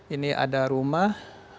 ini ada rumah